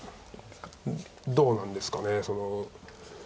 どうなんですかね。